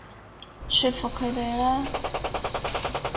說服佢哋啦